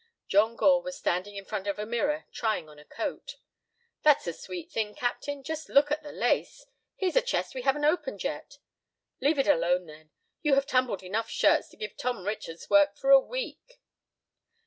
John Gore was standing in front of a mirror trying on a coat. "That's a sweet thing, captain. Just look at the lace. Here's a chest we haven't opened yet." "Leave it alone, then. You have tumbled enough shirts to give Tom Richards work for a week."